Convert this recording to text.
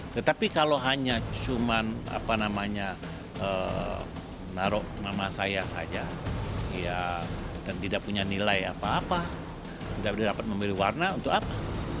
tetapi kalau hanya cuma apa namanya naruh nama saya saja ya dan tidak punya nilai apa apa tidak dapat memberi warna untuk apa